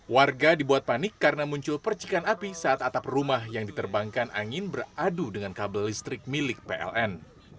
warga dibuat panik karena muncul percikan api saat atap rumah yang diterbangkan angin beradu dengan kabel listrik milik pln